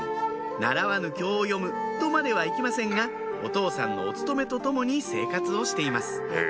「習わぬ経を読む」とまではいきませんがお父さんのお勤めとともに生活をしています